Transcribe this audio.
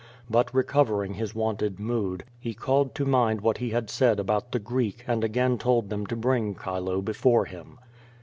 But recovering his wonted mood, he called to mind what he had said about the Greek and again told them to bring Chilo before him.